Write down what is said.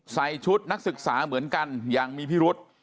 ใส่ชุดนักศึกษาเหมือนกันอย่างมีพิรุษ